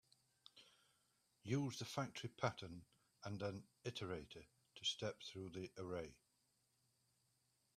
Use the factory pattern and an iterator to step through the array.